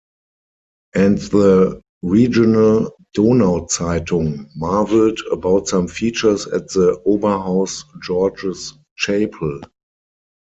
And the regional "Donauzeitung" marveled about some features at the Oberhaus George's Chapel.